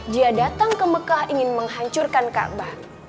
dia datang ke mekah ingin menghancurkan ka'bah